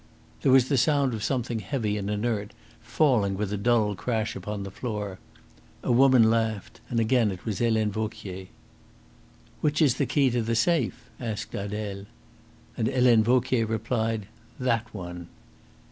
There was the sound of something heavy and inert falling with a dull crash upon the floor. A woman laughed, and again it was Helene Vauquier. "Which is the key of the safe?" asked Adele. And Helene Vauquier replied: "That one."